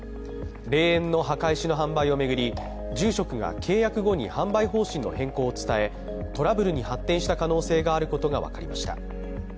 霊園の墓石の販売を巡り、住職が契約後に販売方針の変更を伝え、トラブルに発展した可能性があることが分かりました。